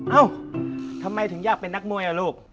เอ้าทำไมถึงอยากเป็นนักมวยล่ะลูก